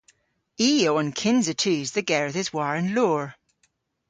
I o an kynsa tus dhe gerdhes war an loor.